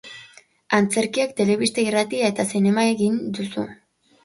Antzerkia, telebista, irratia eta zinema egin duzu.